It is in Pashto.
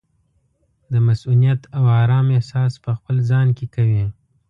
د مصؤنیت او ارام احساس پخپل ځان کې کوي.